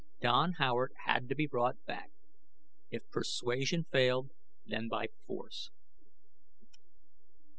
Don Howard had to be brought back if persuasion failed, then by force.